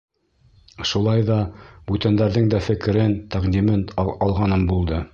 Шулай ҙа бүтәндәрҙең дә фекерен, тәҡдимен алғаным булды.